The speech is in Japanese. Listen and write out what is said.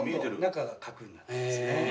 中が核になってますね。